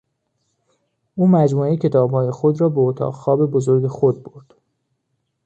او مجموعهی کتابهای خود را به اتاق خواب بزرگ خود برد.